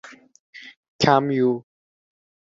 — Kamyu!